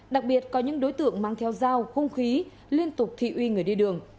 đặc biệt có những đối tượng mang theo dao hung khí liên tục thị uy người đi đường